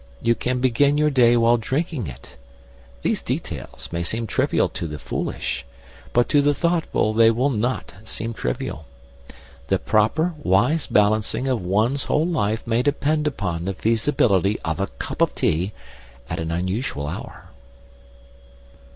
You can begin your day while drinking it. These details may seem trivial to the foolish, but to the thoughtful they will not seem trivial. The proper, wise balancing of one's whole life may depend upon the feasibility of a cup of tea at an unusual hour.